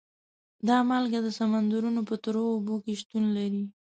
دا مالګه د سمندرونو په تروو اوبو کې شتون لري.